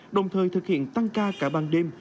đồng thời thực hiện tăng ca cả ban đêm